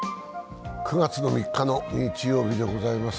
９月３日の日曜日でございます。